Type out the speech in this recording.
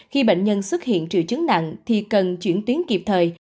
khi bệnh nhân xuất hiện triệu chứng nặng thì cần chuyển tuyến kịp thời